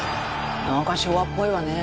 なんか昭和っぽいわね。